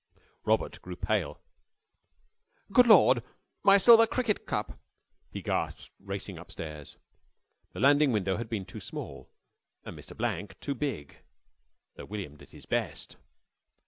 Robert grew pale. "Good Lord my silver cricket cup," he gasped, racing upstairs. The landing window had been too small, and Mr. Blank too big, though William did his best.